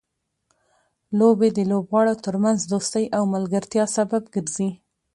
لوبې د لوبغاړو ترمنځ دوستۍ او ملګرتیا سبب ګرځي.